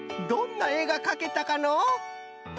どんなえがかけたかのう？